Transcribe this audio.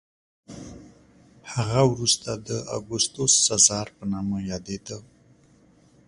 هغه وروسته د اګوستوس سزار په نامه یادېده